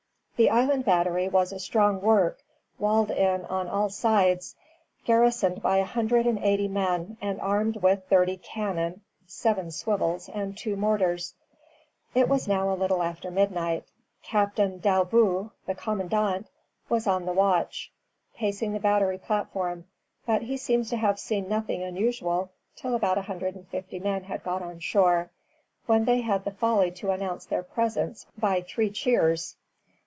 The Island Battery was a strong work, walled in on all sides, garrisoned by a hundred and eighty men, and armed with thirty cannon, seven swivels, and two mortars. [Footnote: Journal of the Siege, appended to Shirley's report.] It was now a little after midnight. Captain d'Aillebout, the commandant, was on the wratch, pacing the battery platform; but he seems to have seen nothing unusual till about a hundred and fifty men had got on shore, when they had the folly to announce their presence by three cheers.